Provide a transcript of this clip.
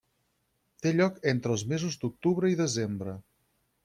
Té lloc entre els mesos d'octubre i desembre.